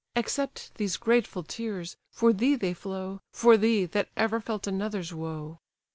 Accept these grateful tears! for thee they flow, For thee, that ever felt another's woe!"